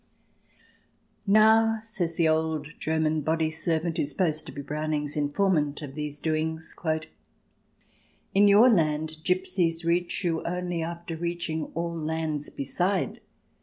" Now," says the old German body servant, who is supposed to be Browning's informant of these doings —"... in your land Gipsies reach you, only After reaching all lands beside.